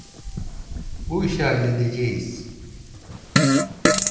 Bu işi halledeceğiz.